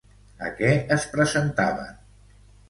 A què es presentaven?